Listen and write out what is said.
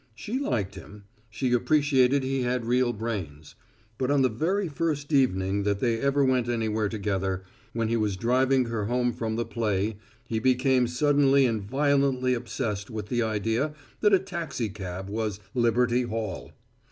She liked him; she appreciated he had real brains. But on the very first evening that they ever went anywhere together, when he was driving her home from the play, he became suddenly and violently obsessed with the idea that a taxicab was liberty hall.